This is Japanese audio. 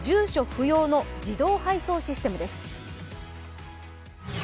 不要の自動配送システムです。